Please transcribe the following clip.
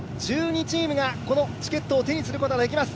１２チームがチケットを手にすることができます。